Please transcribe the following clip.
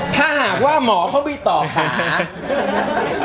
ถ้าหากว่าหมอเขาไปต่อขา